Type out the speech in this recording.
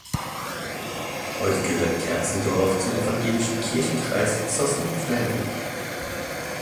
Heute gehört Kerzendorf zum Evangelischen Kirchenkreis Zossen-Fläming.